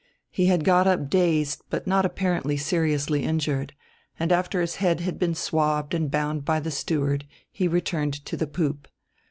He had got up dazed but not apparently seriously injured; and after his head had been swabbed and bound by the steward he returned to the poop.